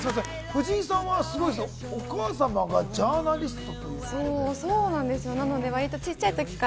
藤井さんは、お母様がジャーナリスト？